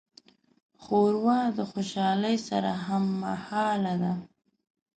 ښوروا د خوشالۍ سره هممهاله ده.